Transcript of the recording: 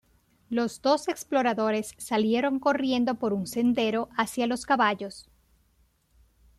Los dos exploradores salieron corriendo por un sendero hacia los caballos.